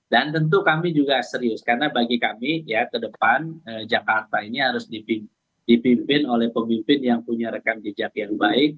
dan tentu kami juga serius karena bagi kami ya ke depan jakarta ini harus dipimpin oleh pemimpin yang punya rekam jejak yang baik